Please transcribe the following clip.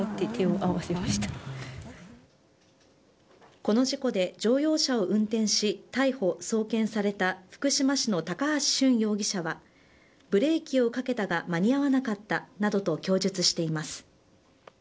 この事故で乗用車を運転し逮捕・送検された福島市の高橋俊容疑者はブレーキをかけたが間に合わなかったなどと供述しています。